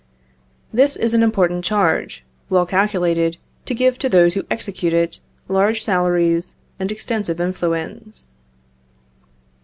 This is an important charge, well calculated to give to those who execute it, large salaries, and extensive influence.